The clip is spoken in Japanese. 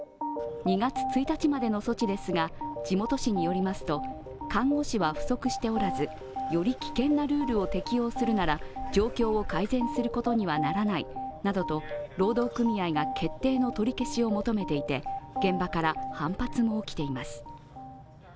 ２月１日までの措置ですが地元紙によりますと看護師は不足しておらず、より危険なルールを適用するなら状況を改善することにはならないなどと労働組合が決定の取り消しを求めていて現場から反発が起きています。